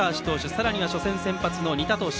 さらには初戦先発の味田投手